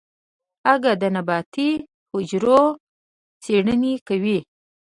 اگه د نباتي حجرو څېړنې کوي.